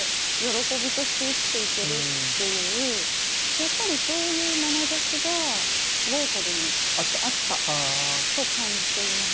やっぱりそういうまなざしがウォーホルにあったと感じています。